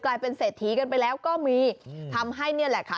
กลายเป็นเศรษฐีกันไปแล้วก็มีทำให้นี่แหละค่ะ